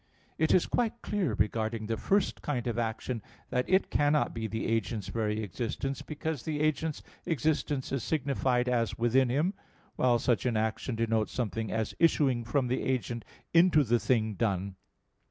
It is quite clear regarding the first kind of action that it cannot be the agent's very existence: because the agent's existence is signified as within him, while such an action denotes something as issuing from the agent into the thing done.